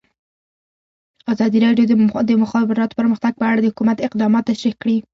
ازادي راډیو د د مخابراتو پرمختګ په اړه د حکومت اقدامات تشریح کړي.